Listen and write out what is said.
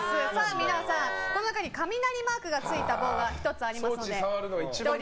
皆さん、雷マークがついた棒が１つあります。